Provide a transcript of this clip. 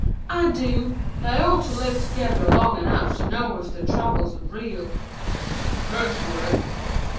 "I do. They ought to live together long enough to know if their troubles are real." "Hers were."